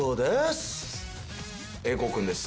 英孝君です。